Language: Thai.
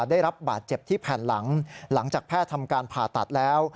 ได้รับบาดเจ็บที่แผ่นหลังหลังจากแพทย์ทำการผ่าตัดแล้ว